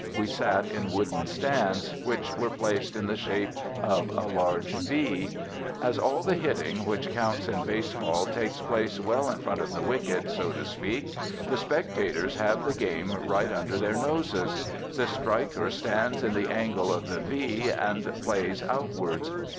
We sat in wooden stands, which were placed in the shape of a large V. As all the hitting which counts in baseball takes place well in front of the wicket, so to speak, the spectators have the game right under their noses; the striker stands in the angle of the V and plays outwards.